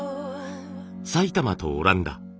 埼玉とオランダ。